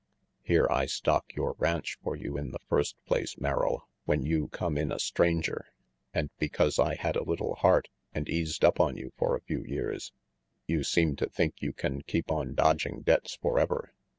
Here I stock your ranch for you in the first place, Merrill, when you come in a stranger. And because I had a little heart and eased up on you for a few 184 RANGY PETE years, you seem to think you can keep on dodging debts forever.